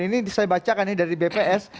ini saya bacakan ini dari bps